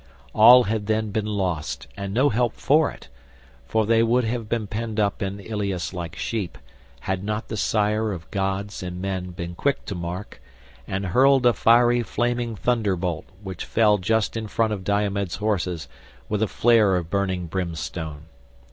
All had then been lost and no help for it, for they would have been penned up in Ilius like sheep, had not the sire of gods and men been quick to mark, and hurled a fiery flaming thunderbolt which fell just in front of Diomed's horses with a flare of burning brimstone.